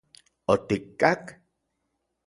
¿Otikkak...?